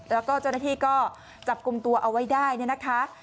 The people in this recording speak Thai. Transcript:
แล้วก็เจ้าหน้าที่ก็จับกลุ่มตัวเอาไว้ได้เนี่ยนะคะ